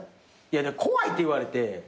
怖いって言われて。